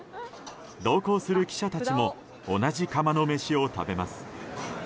同行する記者たちも同じ釜の飯を食べます。